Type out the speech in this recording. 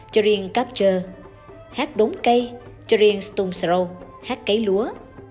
chầm riêng cáp trơ hát đống cây chầm riêng stunzro hát cáy lúa